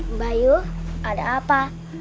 mbak yu ada apa